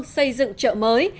xây dựng chợ mới